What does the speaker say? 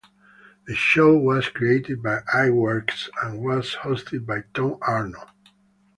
The show was created by Eyeworks and was hosted by Tom Arnold.